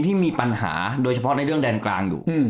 ที่มีปัญหาโดยเฉพาะในเรื่องแดนกลางอยู่